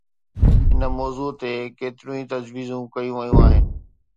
هن موضوع تي ڪيتريون ئي تجويزون ڪيون ويون آهن.